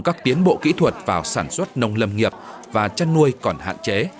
các tiến bộ kỹ thuật vào sản xuất nông lâm nghiệp và chăn nuôi còn hạn chế